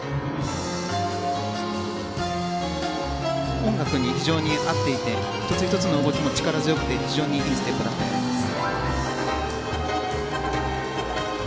音楽に非常に合っていて１つ１つの動きも力強くて非常にいいステップでしたね。